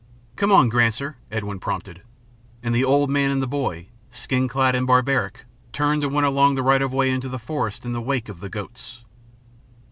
"Come on, Granser," Edwin prompted. And old man and boy, skin clad and barbaric, turned and went along the right of way into the forest in the wake of the goats.